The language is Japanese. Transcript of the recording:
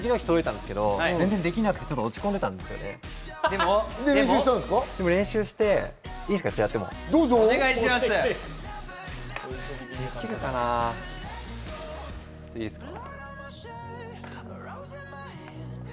でも練習して、やってもいいですか？